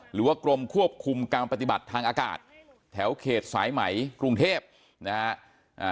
หรือว่ากรมควบคุมการปฏิบัติทางอากาศแถวเขตสายไหมกรุงเทพนะฮะ